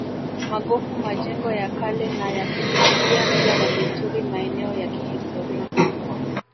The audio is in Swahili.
Magofu majengo ya kale na ya kihistoria mila na desturi maeneo ya kihistoria